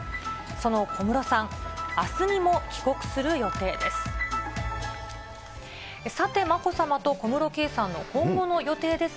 その小室さん、あすにも帰国する予定です。